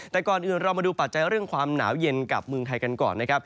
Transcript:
แต่ก่อนอื่นเรามาดูปัจจัยเรื่องความหนาวเย็นกับเมืองไทยกันก่อนนะครับ